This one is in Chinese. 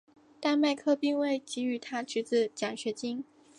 但麦克并未给予他侄子奖学金。